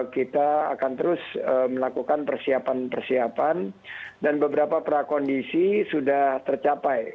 kita akan terus melakukan persiapan persiapan dan beberapa prakondisi sudah tercapai